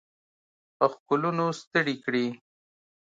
په ښکلونو ستړي کړي